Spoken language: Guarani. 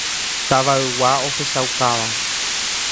Tavaygua ohechaukáva.